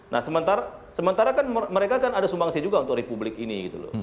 nah sementara kan mereka kan ada sumbangsi juga untuk republik ini gitu loh